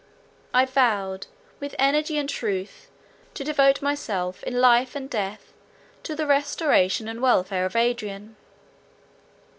I vowed, with energy and truth, to devote myself in life and death to the restoration and welfare of Adrian.